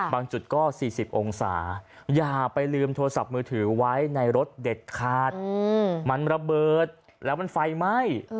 จุดก็๔๐องศาอย่าไปลืมโทรศัพท์มือถือไว้ในรถเด็ดขาดมันระเบิดแล้วมันไฟไหม้